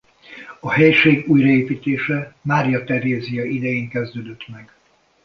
A helység újratelepítése Mária Terézia idején kezdődött meg.